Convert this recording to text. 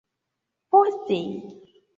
Poste.